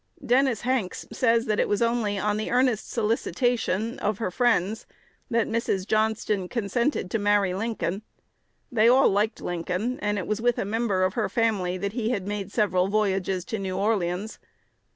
Dennis Hanks says that it was only "on the earnest solicitation of her friends" that Mrs. Johnston consented to marry Lincoln. They all liked Lincoln, and it was with a member of her family that he had made several voyages to New Orleans.